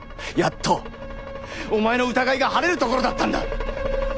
やっとお前の疑いが晴れるところだったんだ。